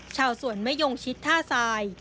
ชาวสวนมะยงชิดท่าทราย